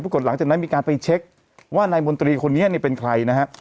หลังจากนั้นมีการไปเช็คว่านายมนตรีคนนี้เนี่ยเป็นใครนะฮะ